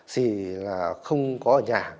sì không có ở nhà